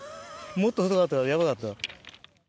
もっと太かったらヤバかった。